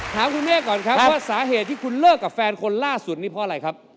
ถามคุณแม่ก่อนครับว่าสาเหตุที่คุณเลิกกับแฟนคนล่าสุดนี้เพราะอะไรครับ